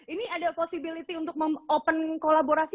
ini ada possibility untuk open kolaborasi